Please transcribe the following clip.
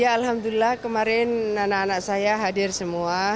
ya alhamdulillah kemarin anak anak saya hadir semua